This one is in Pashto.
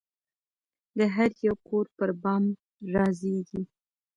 د هریو کور پربام رازیږې